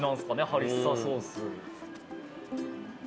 ハリッサソース。